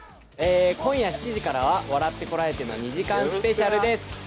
今夜７時からは『笑ってコラえて！』の２時間スペシャルです。